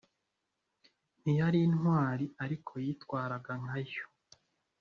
ntiyari intwari ariko yitwaraga nkayo